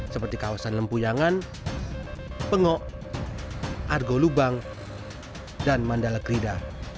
seperti kawasan lempuyangan pengok argo lubang dan mandala krida